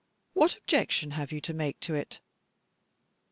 What objection have you to make to it?"